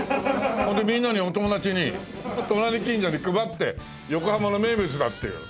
でみんなにお友達に隣近所に配って横浜の名物だっていう。